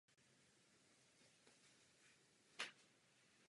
Časem se spřátelí se všemi obyvateli a zamiluje se do místní krásky Sally.